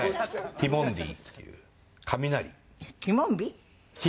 ティモンディっていうはい。